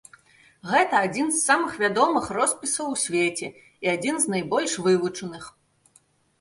Гэта адзін з самых вядомых роспісаў у свеце, і адзін з найбольш вывучаных.